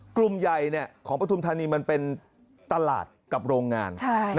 กลุ่มใหญ่ของปฐุมธานีมันเป็นตลาดกับโรงงาน